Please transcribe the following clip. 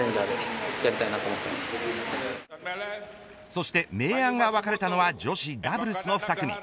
そして明暗が分かれたのは女子ダブルスの２組。